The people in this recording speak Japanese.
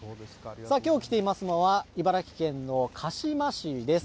きょう来ていますのは茨城県の鹿嶋市です。